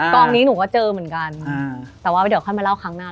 กองนี้หนูก็เจอเหมือนกันแต่ว่าเดี๋ยวค่อยมาเล่าครั้งหน้า